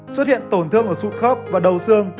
xuất hiện tổn thương ở súp khớp và đầu xương